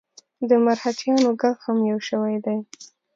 د مرهټیانو ږغ هم یو شوی دی.